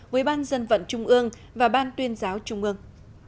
với ban dân vận trung ương và ban tuyên giáo trung ương